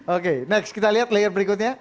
oke next kita lihat layer berikutnya